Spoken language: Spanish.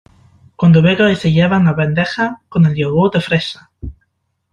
cuando vengan y se lleven la bandeja con el yogur de fresa